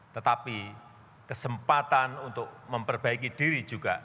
tetapi kesempatan untuk memperbaiki diri juga